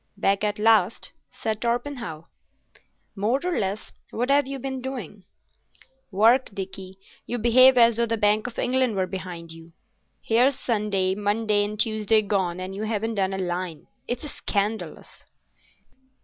"Back at last?" said Torpenhow. "More or less. What have you been doing?" "Work. Dickie, you behave as though the Bank of England were behind you. Here's Sunday, Monday, and Tuesday gone and you haven't done a line. It's scandalous."